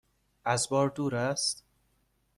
از بار دور است؟